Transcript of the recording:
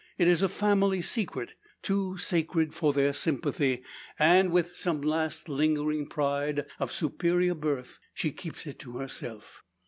It is a family secret, too sacred for their sympathy; and, with some last lingering pride of superior birth, she keeps it to herself.